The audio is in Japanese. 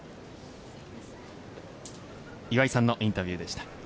岩井さんのインタビューでした。